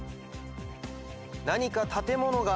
何か建物が。